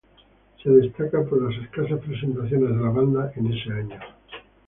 Se destaca por las escasas presentaciones de la banda en ese año.